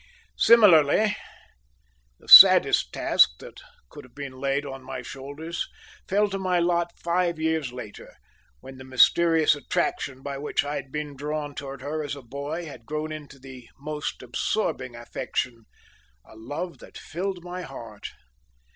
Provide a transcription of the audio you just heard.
Similarly, the saddest task that could have been laid on my shoulders fell to my lot five years later, when the mysterious attraction by which I had been drawn towards her as a boy had grown into the most absorbing affection a love that filled my heart.